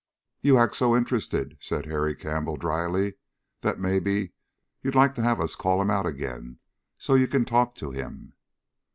"You act so interested," said Harry Campbell dryly, "that maybe you'd like to have us call him out again so's you can talk to him?"